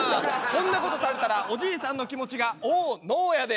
こんなことされたらおじいさんの気持ちがオノやで。